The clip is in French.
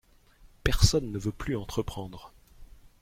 Personne ne veut plus entreprendre.